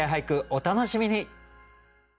お楽しみに。